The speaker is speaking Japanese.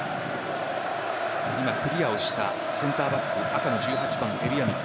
クリアをしたセンターバック赤の１８番・エルヤミク。